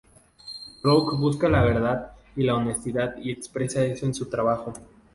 Roark busca la verdad y la honestidad y expresa eso en su trabajo.